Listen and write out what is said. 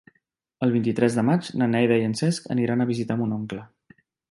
El vint-i-tres de maig na Neida i en Cesc aniran a visitar mon oncle.